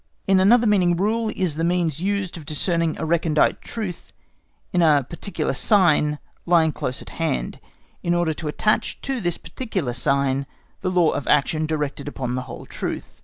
In another meaning Rule is the means used of discerning a recondite truth in a particular sign lying close at hand, in order to attach to this particular sign the law of action directed upon the whole truth.